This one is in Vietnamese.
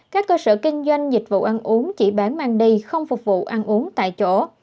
các cơ sở kinh doanh dịch vụ ăn uống chỉ bán mang đi không phục vụ ăn uống tại chỗ